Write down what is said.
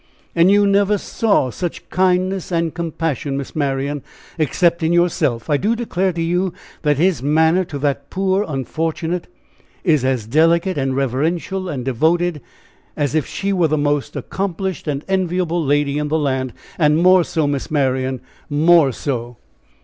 "And you never saw such kindness and compassion, Miss Marian, except in yourself. I do declare to you, that his manner to that poor unfortunate is as delicate and reverential and devoted as if she were the most accomplished and enviable lady in the land, and more so, Miss Marian, more so!"